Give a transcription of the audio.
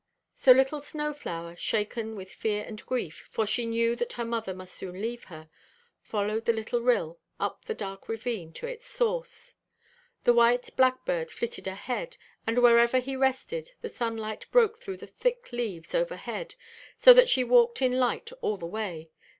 So little Snow flower, shaken with fear and grief,—for she knew that her mother must soon leave her,—followed the little rill, up the dark ravine, to its source. The white blackbird flitted ahead, and wherever he rested, the sunlight broke through the thick leaves overhead, so that she walked in light all the way.